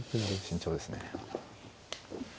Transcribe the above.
慎重ですね。